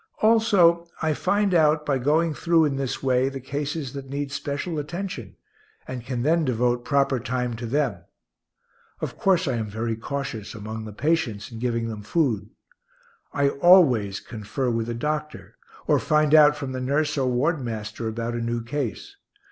Also I find out, by going through in this way, the cases that need special attention, and can then devote proper time to them. Of course I am very cautious, among the patients, in giving them food. I always confer with the doctor, or find out from the nurse or ward master about a new case.